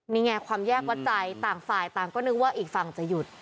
นี่ไงความแยกวัดใจต่างฝ่ายต่างก็นึกว่าอีกฝั่งจะหยุด